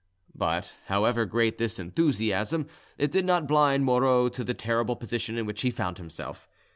But however great this enthusiasm, it did not blind Moreau to the terrible position in which he found himself.